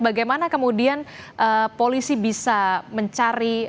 bagaimana kemudian polisi bisa mencari